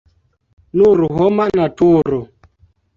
Nur homa naturo.